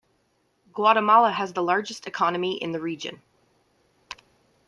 Guatemala has the largest economy in the region.